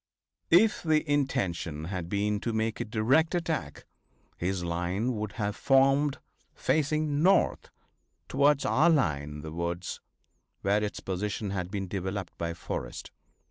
If the intention had been to make a direct attack, his line would have formed facing north towards our line in the woods, where its position had been developed by Forrest.